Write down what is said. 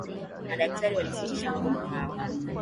Madaktari walisitisha mgomo wao